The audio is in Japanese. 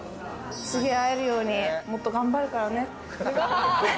次、会えるようにもっと頑張るからね。